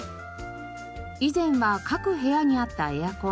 以前は各部屋にあったエアコン。